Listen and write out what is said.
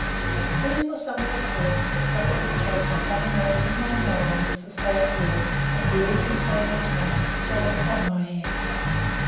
These were some of the thoughts that rapidly chased one another in my mind as the sad words and still sadder tone fell upon my ear.